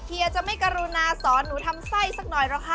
เฮียจะไม่กรุณาสอนหนูทำไส้สักหน่อยหรอกค่ะ